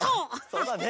そうだね。